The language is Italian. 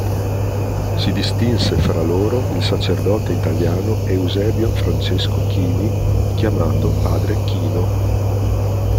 Si distinse fra loro il sacerdote italiano Eusebio Francesco Chini, chiamato padre Kino.